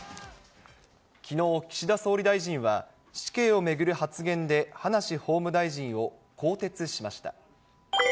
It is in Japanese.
きのう、岸田総理大臣は、死刑を巡る発言で、葉梨法務大臣を更迭しました。